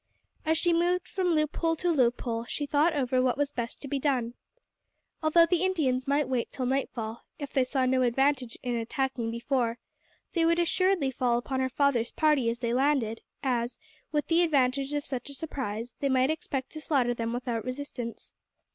As she moved from loophole to loophole she thought over what was best to be done. Although the Indians might wait till nightfall, if they saw no advantage in attacking before, they would assuredly fall upon her father's party as they landed, as, with the advantage of such a surprise, they might expect to slaughter them without resistance.